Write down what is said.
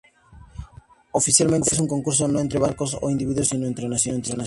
Oficialmente, es un concurso no entre barcos o individuos, sino entre naciones.